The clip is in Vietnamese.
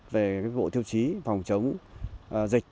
về bộ thiêu chí phòng chống dịch